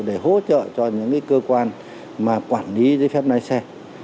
để hỗ trợ cho những cơ quan mà quản lý dây phép máy xe